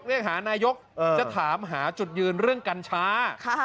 จะถามหาจุดยืนเรื่องกัญชา